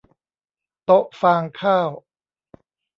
โต๊ะฟางข้าว